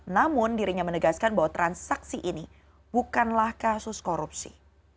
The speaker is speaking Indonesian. namun dirinya menegaskan bahwa transaksi ini bukanlah kasus korupsi